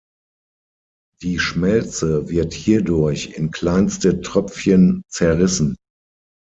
Die Schmelze wird hierdurch in kleinste Tröpfchen zerrissen.